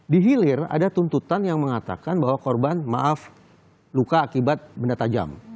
di hilir ada tuntutan yang mengatakan bahwa korban maaf luka akibat benda tajam